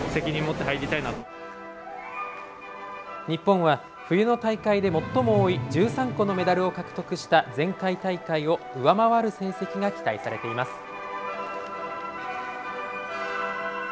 日本は、冬の大会で最も多い、１３個のメダルを獲得した前回大会を上回る成績が期待されています。